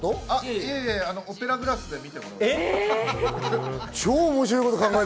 いえいえいえ、オペラグラスで見てもらうという。